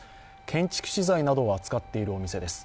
建築資材などを扱っているお店です。